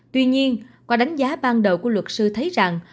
tuy nhiên qua đánh giá ban đầu của luật sư thấy rằng